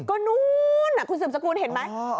ก็นู้นคุณสืบสกุลเห็นไหม